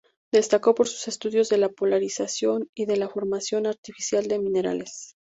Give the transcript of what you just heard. Destacó por sus estudios de la polarización y de la formación artificial de minerales.